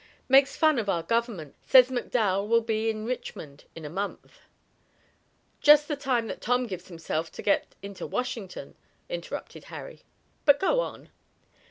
"Makes fun of our government. Says McDowell will be in Richmond in a month." "Just the time that Tom gives himself to get into Washington," interrupted Harry. "But go on."